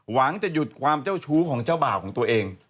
หวังจะหยุดความเจ้าชู้ของเจ้าบ่าวของตัวเอง